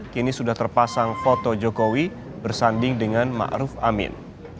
kini sudah terpasang foto jokowi bersanding dengan ma ruf amin